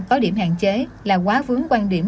có điểm hạn chế là quá vướng quan điểm